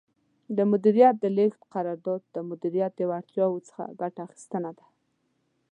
د مدیریت د لیږد قرار داد د مدیریتي وړتیاوو څخه ګټه اخیستنه ده.